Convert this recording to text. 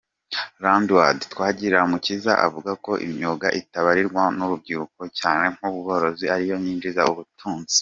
Landuard Twagirumukiza avuga ko imyuga ititabirwa n’urubyiruko cyane nk’ubworozi ariyo yinjiza ubutunzi.